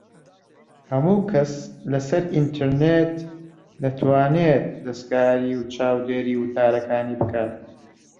ھەموو کەس لە سەر ئینتەرنێت دەتوانێت دەستکاری و چاودێریی وتارەکانی بکات